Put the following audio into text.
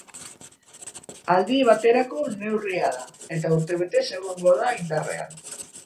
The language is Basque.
Aldi baterako neurria da eta urtebetez egongo da indarrean.